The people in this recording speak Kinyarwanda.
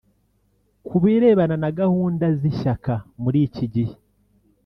Ku birebana na gahunda z’ishyaka muri iki gihe